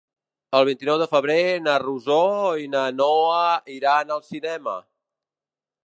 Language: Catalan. El vint-i-nou de febrer na Rosó i na Noa iran al cinema.